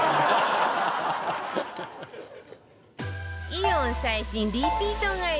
イオン最新リピート買い